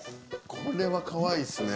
これはかわいいですね。